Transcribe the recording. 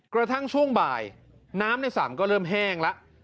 กระทั่งช่วงบ่ายน้ำในสระก็เริ่มแห้งแล้ว